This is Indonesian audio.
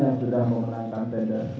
yang sudah ditetapkan